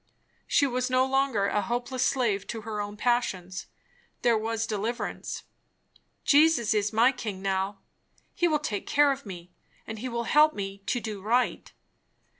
She was no longer a hopeless slave to her own passions; there was deliverance. "Jesus is my King now! he will take care of me, and he will help me to do right."